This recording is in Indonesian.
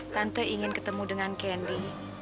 tante ingin ketemu dengan kendi